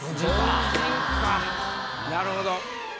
なるほど。